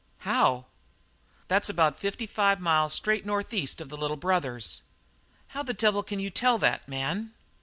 "How?" "That's about fifty five miles straight north east of the Little Brothers." "How the devil can you tell that, man?"